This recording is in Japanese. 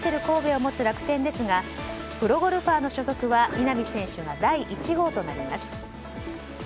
神戸を持つ楽天ですが、プロゴルファーの所属は稲見選手が第１号となります。